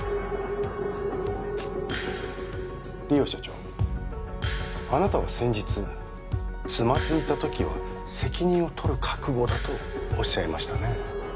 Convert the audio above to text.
梨央社長あなたは先日つまずいた時は責任を取る覚悟だとおっしゃいましたね